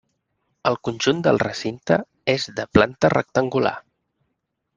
El conjunt del recinte és de planta rectangular.